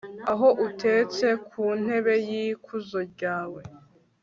aho utetse ku ntebe y'ikuzo ryawe